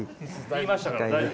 言いましたから大丈夫。